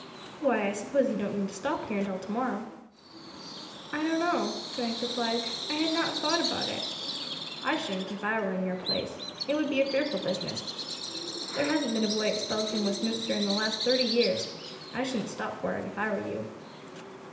"Why, I suppose you don't mean to stop here until to morrow." "I don't know," Frank replied, "I had not thought about it." "I shouldn't, if I were in your place. It would be a fearful business; there hasn't been a boy expelled from Westminster for the last thirty years. I shouldn't stop for it if I were you."